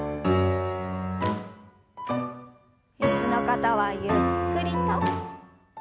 椅子の方はゆっくりと。